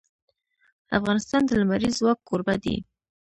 افغانستان د لمریز ځواک کوربه دی.